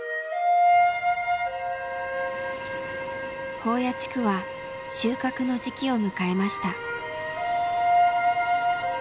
宝谷地区は収穫の時期を迎えました。